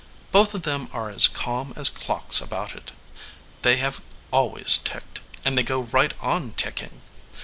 Both of them are as calm as clocks about it. They have always ticked, and they go right on ticking.